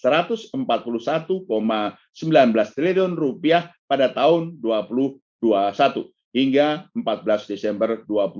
rp satu ratus empat puluh satu sembilan belas triliun pada tahun dua ribu dua puluh satu hingga empat belas desember dua ribu dua puluh